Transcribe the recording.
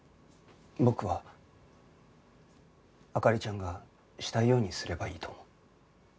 僕は灯ちゃんがしたいようにすればいいと思う。